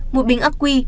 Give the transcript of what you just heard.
một bình ắc quy